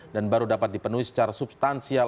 dan baru dapat dipenuhi secara substansial